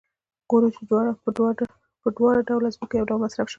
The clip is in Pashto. ګورو چې په دواړه ډوله ځمکو یو ډول مصارف شوي